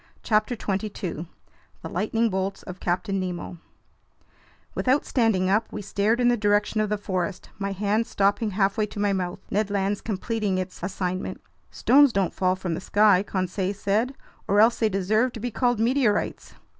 CHAPTER 22 The Lightning Bolts of Captain Nemo WITHOUT STANDING UP, we stared in the direction of the forest, my hand stopping halfway to my mouth, Ned Land's completing its assignment. "Stones don't fall from the sky," Conseil said, "or else they deserve to be called meteorites."